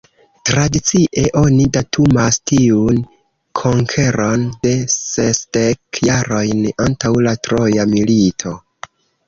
Tradicie oni datumas tiun konkeron de sesdek jarojn antaŭ la Troja milito.